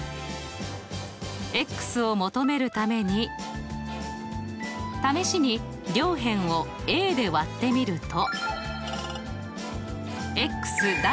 を求めるために試しに両辺をで割ってみると。